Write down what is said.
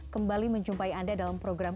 kembali menjumpai anda dalam program